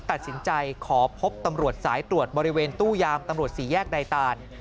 ตัดสินใจขอพบตำรวจสายตรวจบริเวณตู้ยามตำรวจสี่แยกใดตาน